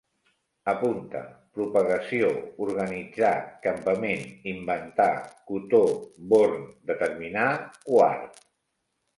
Apunta: propagació, organitzar, campament, inventar, cotó, born, determinar, quart